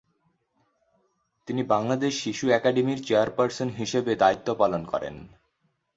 তিনি বাংলাদেশ শিশু একাডেমির চেয়ারপার্সন হিসেবে দায়িত্ব পালন করেন।